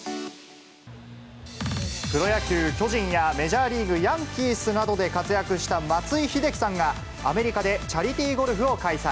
プロ野球・巨人やメジャーリーグ・ヤンキースなどで活躍した松井秀喜さんが、アメリカでチャリティーゴルフを開催。